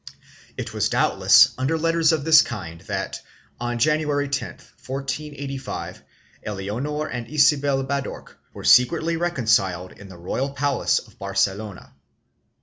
1 It was doubtless under letters of this kind that, on January 10, 1489, Elionor and Isabel Badorch were secretly reconciled in the royal palace of Barcelona.